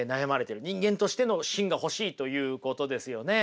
人間としての芯が欲しいということですよね。